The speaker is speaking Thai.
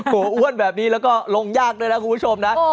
อ้วนแบบนี้แล้วก็ลงยากด้วยนะคุณผู้ชมนะ